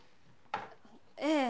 ええ。